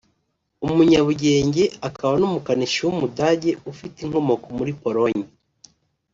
umunyabugenge akaba n’umukanishi w’umudage ufite inkomoko muri Pologne